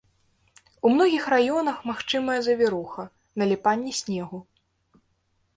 У многіх раёнах магчымая завіруха, наліпанне снегу.